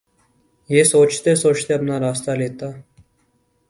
یہ سوچتے سوچتے اپنا راستہ لیتا